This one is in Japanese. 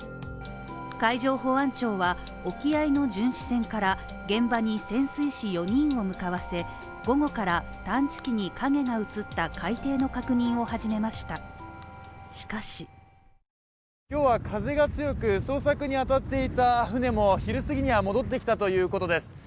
海上保安庁は、沖合の巡視船から現場に潜水士４人を向かわせ午後から探知機に影が映った海底の確認を始めました、しかし今日は風が強く、捜索に当たっていた船も昼すぎには戻ってきたということです。